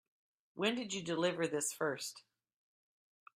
When did you deliver this first?